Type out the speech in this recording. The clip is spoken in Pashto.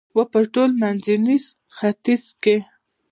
و په ټول منځني ختیځ کې